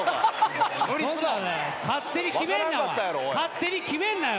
勝手に決めんなよ。